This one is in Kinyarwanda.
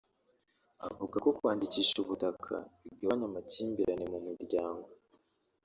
avuga ko kwandikisha ubutaka bigabanya amakimbirane mu miryango